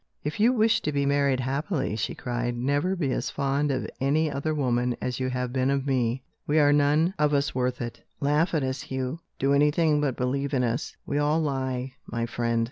"If you wish to be married happily," she cried, "never be as fond of any other woman as you have been of me. We are none of us worth it. Laugh at us, Hugh do anything but believe in us. We all lie, my friend.